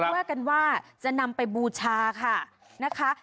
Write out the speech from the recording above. ว่ากันว่าจะนำไปบูชาค่ะนะคะ